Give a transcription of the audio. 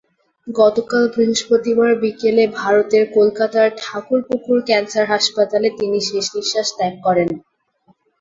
গতকাল বৃহস্পতিবার বিকেলে ভারতের কলকাতার ঠাকুরপুকুর ক্যানসার হাসপাতালে তিনি শেষনিঃশ্বাস ত্যাগ করেন।